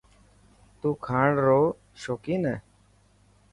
تون کاڻ رو شوڪين هي؟